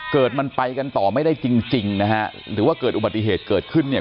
เกิดมันไปกันต่อไม่ได้จริงจริงนะฮะหรือว่าเกิดอุบัติเหตุเกิดขึ้นเนี่ย